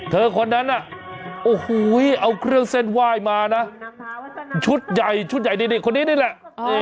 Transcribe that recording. เธอคนนั้นอ่ะโอ้หูยเอาเครื่องเส้นว่ายมานะชุดใหญ่ชุดใหญ่คนนี้นี่แหละ